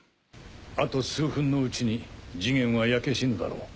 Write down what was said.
あと数分のうちにジゲンは焼け死ぬだろう。